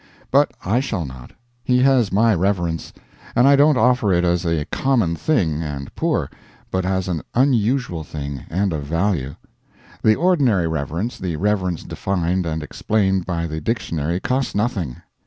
But I shall not. He has my reverence. And I don't offer it as a common thing and poor, but as an unusual thing and of value. The ordinary reverence, the reverence defined and explained by the dictionary costs nothing.